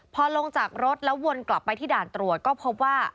พอลงจากรถแล้ววนกลับไปที่ด่านตรวจก็พบว่า